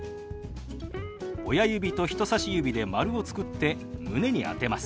親指と人さし指で丸を作って胸に当てます。